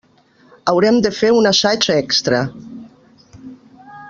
Haurem de fer un assaig extra.